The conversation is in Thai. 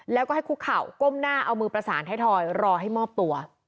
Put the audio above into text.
แล้วก็ให้คุกเข่าก้มหน้าเอามือประสานให้ทอยรอให้มอบตัว